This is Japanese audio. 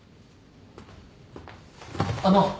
あの。